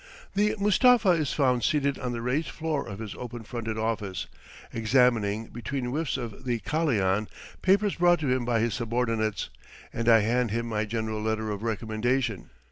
The Mustapha is found seated on the raised floor of his open fronted office, examining, between whiffs of the kalian, papers brought to him by his subordinates, and I hand him my general letter of recommendation.